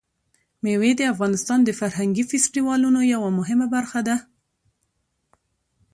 مېوې د افغانستان د فرهنګي فستیوالونو یوه مهمه برخه ده.